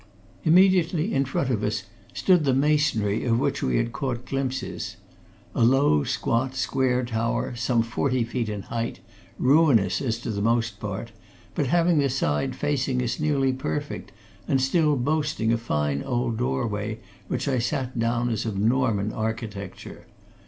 Immediately in front of us stood the masonry of which we had caught glimpses; a low, squat, square tower, some forty feet in height, ruinous as to the most part, but having the side facing us nearly perfect and still boasting a fine old doorway which I set down as of Norman architecture.